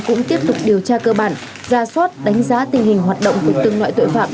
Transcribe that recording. cũng tiếp tục điều tra cơ bản ra soát đánh giá tình hình hoạt động của từng loại tội phạm